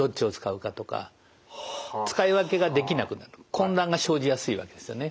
混乱が生じやすいわけですよね。